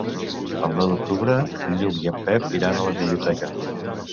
El nou d'octubre en Lluc i en Pep iran a la biblioteca.